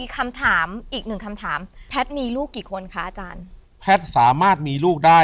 คำถามอีกหนึ่งคำถามแพทมีลูกกี่คนคะอาจารย์สามารถมี